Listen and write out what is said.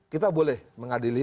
kita boleh mengadili